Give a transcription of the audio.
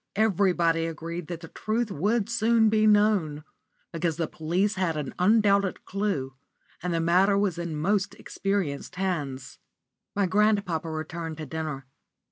Everybody agreed that the truth would soon be known, because the police had an undoubted clue, and the matter was in most experienced hands. My grandpapa returned to dinner.